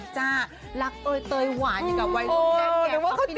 จ้ะรักเตยเตยหวานเห็นกับไวรุ้นแปงแค่เมื่อกี้